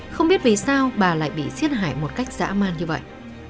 không biết vì sao bà lại bị giết hại một cách dã man như vậy